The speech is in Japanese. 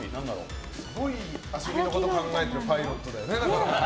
すごい遊びのこと考えているパイロットだよね。